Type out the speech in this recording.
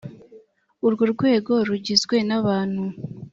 urwo rwego rugizwe n abantu